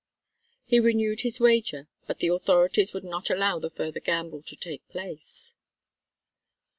He renewed his wager but the authorities would not allow the further gamble to take place.